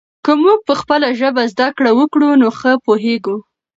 که موږ په خپله ژبه زده کړه وکړو نو ښه پوهېږو.